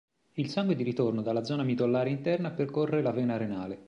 Il sangue di ritorno dalla zona midollare interna percorre la vena renale.